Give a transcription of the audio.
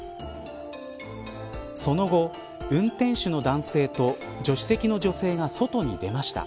その後、運転手の男性と助手席の女性が外に出ました。